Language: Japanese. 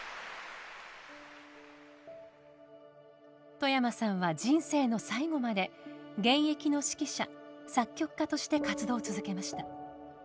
外山さんは人生の最後まで現役の指揮者作曲家として活動を続けました。